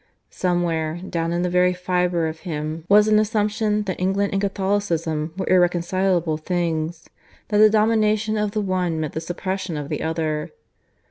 Somewhere, down in the very fibre of him, was an assumption that England and Catholicism were irreconcilable things that the domination of the one meant the suppression of the other.